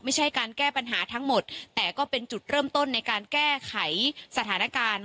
ไม่ใช่การแก้ปัญหาทั้งหมดแต่ก็เป็นจุดเริ่มต้นในการแก้ไขสถานการณ์